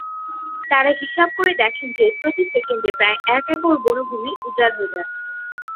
তারা হিসাব করে দেখেন যে প্রতি সেকেণ্ডে প্রায় এক একর বনভূমি উজার হয়ে যাচ্ছে।